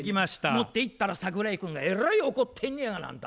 持っていったら桜井君がえらい怒ってんねやがなあんた。